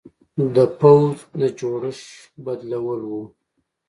د پوځ د جوړښت بدلول و.